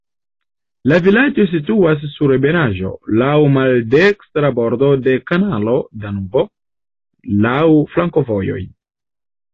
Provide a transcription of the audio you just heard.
La vilaĝo situas sur ebenaĵo, laŭ maldekstra bordo de kanalo Danubo, laŭ flankovojoj.